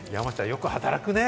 よく働くね。